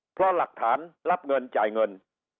เพราะหลักฐานรับเงินจ่ายเงิน